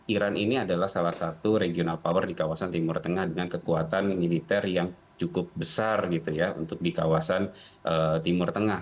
iran ini adalah salah satu regional power di kawasan timur tengah dengan kekuatan militer yang cukup besar gitu ya untuk di kawasan timur tengah